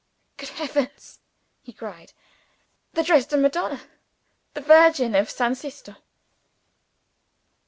"Good Heavens!" he cried. "The Dresden Madonna! The Virgin of San Sisto!"